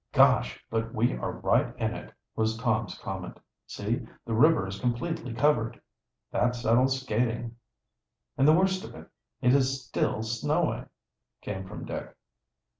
"Gosh, but we are right in it!" was Tom's comment. "See, the river is completely covered. That settles skating." "And the worst of it is, it is still snowing," came from Dick.